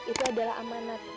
itu adalah amanat